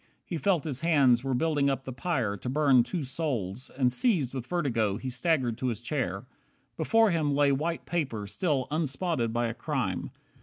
He felt his hands were building up the pyre To burn two souls, and seized with vertigo He staggered to his chair. Before him lay White paper still unspotted by a crime.